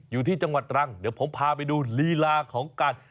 อยู่ที่จังหวัดตรังเดี๋ยวผมพาไปดูลีลาของการ